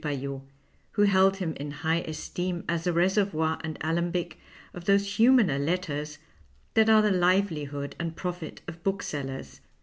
Paillot, who held him in high esteem as the reservoir and alc mbie of those huMianer letters that are the livelihood aiul profit of booksellers.